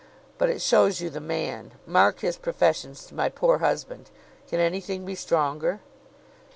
But it shows you the man. Mark his professions to my poor husband. Can any thing be stronger?"